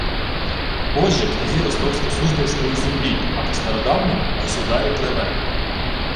Отже, князі ростовсько-суздальської землі, а по-стародавньому – «государі» племен